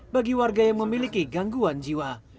bagi warga yang memiliki gangguan jiwa